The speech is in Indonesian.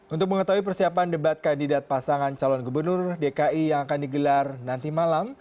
untuk mengetahui persiapan debat kandidat pasangan calon gubernur dki yang akan digelar nanti malam